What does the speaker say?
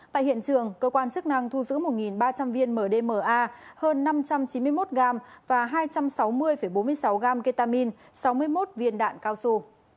tại hiện trường cơ quan chức năng thu giữ một ba trăm linh viên mdma hơn năm trăm chín mươi một gram và hai trăm sáu mươi bốn mươi sáu gram ketamine sáu mươi một viên đạn cao su